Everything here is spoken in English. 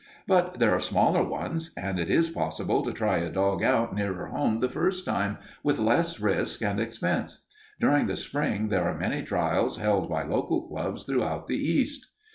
But there are smaller ones, and it is possible to try a dog out nearer home the first time, with less risk and expense. During the spring there are many trials held by local clubs throughout the East."